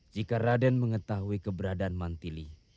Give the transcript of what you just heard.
jika raden mengetahui keberadaan mantili